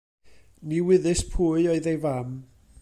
Ni wyddys pwy oedd ei fam.